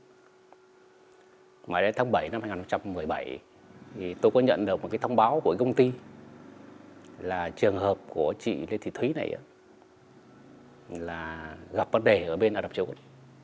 ngoài đến tháng bảy năm hai nghìn một mươi bảy tôi có nhận được một cái thông báo của công ty là trường hợp của chị lê thị thúy này là gặp vấn đề ở bên ả rập xê út